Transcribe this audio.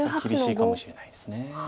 厳しいかもしれないです。